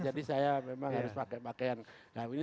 jadi saya memang harus pakai pakaian kayak gini